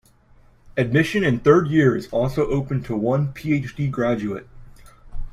Admission in third year is also open to one Ph.D graduate.